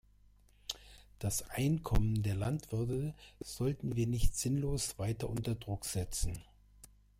Das Einkommen der Landwirte sollten wir nicht sinnlos weiter unter Druck setzen.